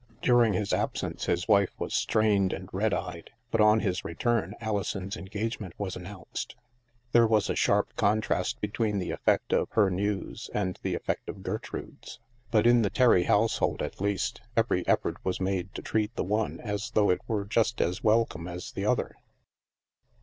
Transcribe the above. During his absence his wife was strained and red eyed; but on his return Alison's engagement was announced. There was a sharp contrast between the effect of her news and the effect of Gertrude's; but, in the Terry household, at least, every effort was made to treat the one as though it were just as welcome as the other.